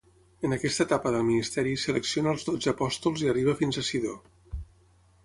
En aquesta etapa del ministeri selecciona els dotze apòstols i arriba fins a Sidó.